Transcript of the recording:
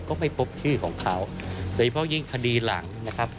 ก็ไม่พบชื่อของเขาโดยเฉพาะยิ่งคดีหลังนะครับ